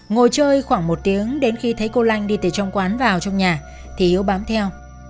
ngồi chơi khoảng một tiếng đến khi thấy cô lanh đi từ trong quán vào trong nhà thì hiếu bám theo